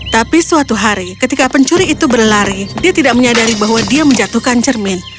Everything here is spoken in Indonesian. tapi suatu hari ketika pencuri itu berlari dia tidak menyadari bahwa dia menjatuhkan cermin